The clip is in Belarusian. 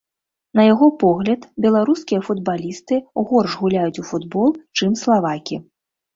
На яго погляд, беларускія футбалісты горш гуляюць у футбол, чым славакі.